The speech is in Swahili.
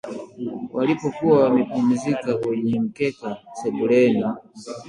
walipokuwa wamepumzika kwenye mkeka sebuleni